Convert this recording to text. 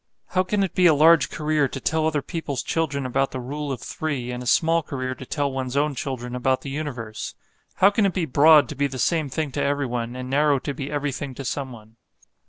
How can it be a large career to tell other people's children about the Rule of Three, and a small career to tell one's own children about the universe? How can it be broad to be the same thing to everyone, and narrow to be everything to someone?